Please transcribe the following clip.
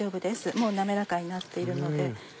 もう滑らかになっているので。